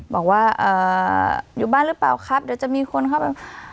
บอกว่าอยู่บ้านหรือเปล่าครับเดี๋ยวจะมีคนเข้าไป